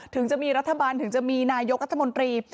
ถึงจะมีรัฐบาลถึงจะมีนายกรัฐมนตรี